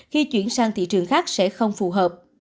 khi chuyển sang thị trường khác sẽ không phù hợp